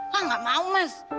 wah gak mau mas